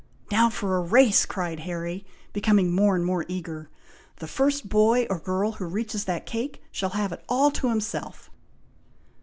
"Now for a race!" cried Harry, becoming more and more eager. "The first boy or girl who reaches that cake shall have it all to himself!"